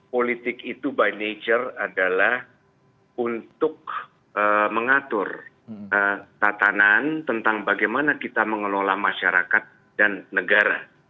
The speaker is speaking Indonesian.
politik itu by nature adalah untuk mengatur tatanan tentang bagaimana kita mengelola masyarakat dan negara